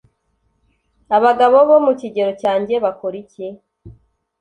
Abagabo bo mu kigero cyanjye bakora iki